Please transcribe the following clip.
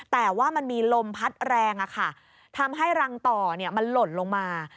แต่ว่ามันมีลมพัดแรงทำให้รังต่อมันหล่นลงมา